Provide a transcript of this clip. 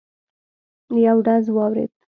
یو ډز واورېد.